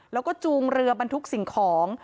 แล้วก็จูงเรือบรรทุกสิ่งของ